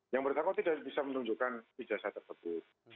yang bersangkutan tidak bisa menunjukkan ijazah tersebut